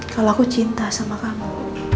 kalau aku cinta sama kamu